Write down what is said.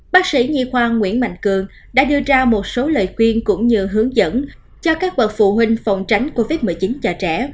bác sĩ nhi khoa nguyễn mạnh cường đã đưa ra một số lời khuyên cũng như hướng dẫn cho các bậc phụ huynh phòng tránh covid một mươi chín cho trẻ